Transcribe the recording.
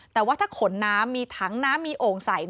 แต่ว่าถ้าขนน้ำมีถังน้ำมีโอ่งใส่